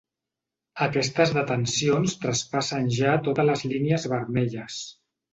Aquestes detencions traspassen ja totes les línies vermelles.